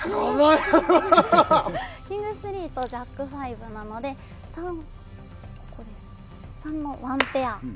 キング３とジャック５なので３のワンペア。